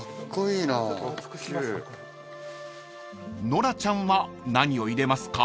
［ノラちゃんは何を入れますか？］